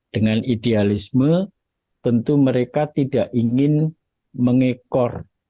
dengan idealisme tentu mereka tidak ingin mengekor